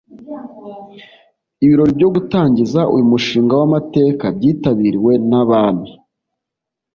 Ibirori byo gutangiza uyu mushinga w’amateka byitabiriwe n’Abami